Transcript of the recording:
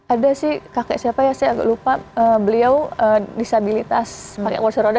ada sih kakek siapa ya saya agak lupa beliau disabilitas pakai kursi roda